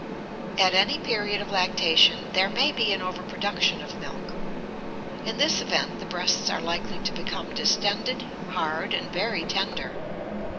At any period of lactation there may be an overproduction of milk. In this event the breasts are likely to become distended, hard, and very tender.